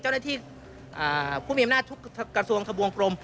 เจ้าหน้าที่ผู้มีอำนาจทุกกระทรวงทะบวงกลม